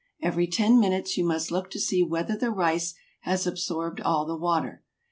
Every ten minutes you must look to see whether the rice has absorbed all the water.